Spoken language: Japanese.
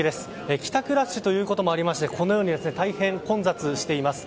帰宅ラッシュということもありましてこのように、大変混雑しています。